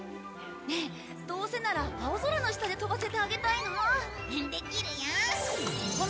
ねえどうせなら青空の下で飛ばせてあげたいなあ。